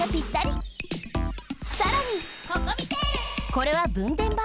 これはぶんでんばん。